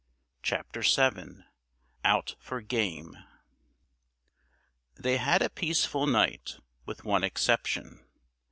CHAPTER VII OUT FOR GAME They had a peaceful night, with one exception.